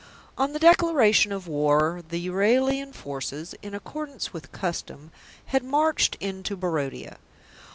On the declaration of war the Euralian forces, in accordance with custom, had marched into Barodia.